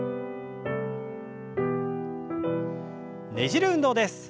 ねじる運動です。